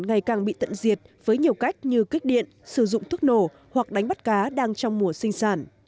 ngày càng bị tận diệt với nhiều cách như kích điện sử dụng thuốc nổ hoặc đánh bắt cá đang trong mùa sinh sản